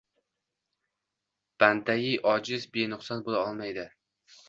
Bandayi ojiz benuqson bo‘la olmaydi.